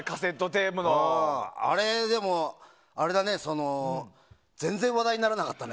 でも全然話題にならなかったね。